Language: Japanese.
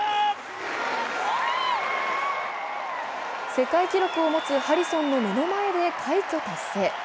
世界記録を持つハリソンの目の前で快挙達成。